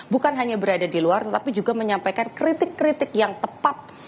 bukan hanya berada di luar tetapi juga menyampaikan kritik kritik yang tepat